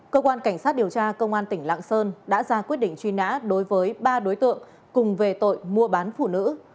cơ quan cảnh sát điều tra công an tỉnh lạng sơn đã ra quyết định truy nã đối với ba đối tượng cùng về tội mua bán phụ nữ